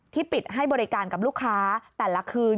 ปิดให้บริการกับลูกค้าแต่ละคืน